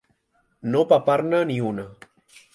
No papar-ne ni una.